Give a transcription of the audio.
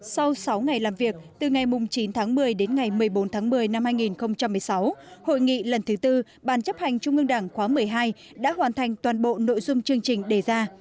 sau sáu ngày làm việc từ ngày chín tháng một mươi đến ngày một mươi bốn tháng một mươi năm hai nghìn một mươi sáu hội nghị lần thứ tư bàn chấp hành trung ương đảng khóa một mươi hai đã hoàn thành toàn bộ nội dung chương trình đề ra